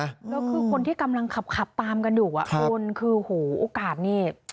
แล้วคือคนที่กำลังขับขับตามกันอยู่อ่ะคุณคือโหโอกาสนี่